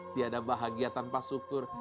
tiada bahagia tanpa syukur